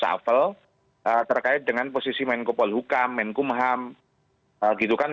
terus afel terkait dengan posisi menko polhukam menko maham gitu kan